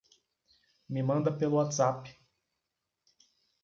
Me manda pelo Whatsapp